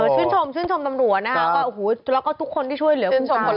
ชื่นชมชื่นชมนำรวจแล้วก็ก็ทุกคนที่ช่วยเหลือ